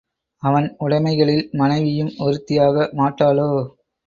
அவன் உடைமைகளில் மனைவியும் ஒருத்தி ஆக மாட்டாளோ?